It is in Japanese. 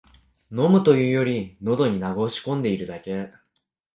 飲むというより、のどに流し込んでるだけ